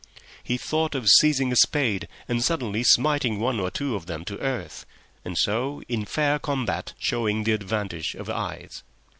He thought of seizing a spade and suddenly smiting one or two of them to earth, and so in fair combat showing the advantage of eyes.